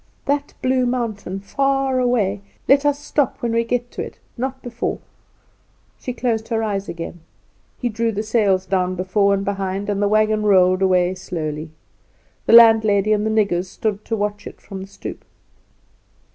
"That blue mountain, far away; let us stop when we get to it, not before." She closed her eyes again. He drew the sails down before and behind, and the wagon rolled away slowly. The landlady and the niggers stood to watch it from the stoep.